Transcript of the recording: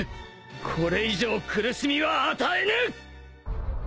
これ以上苦しみは与えぬ！